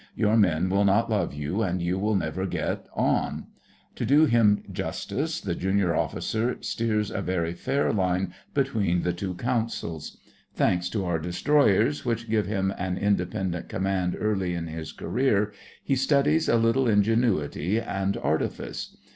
Your men will not love you, and you will never get on.' To do him justice the junior officer steers a very fair line between the two councils. Thanks to our destroyers, which give him an independent command early in his career, he studies a little ingenuity and artifice.